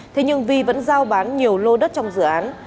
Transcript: thế nhưng vi vẫn giao bán nhiều lô đất trong dự án